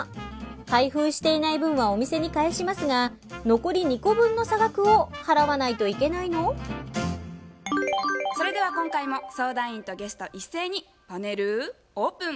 開封していない分はお店に返しますが残り２個分のそれでは今回も相談員とゲスト一斉にパネルオープン。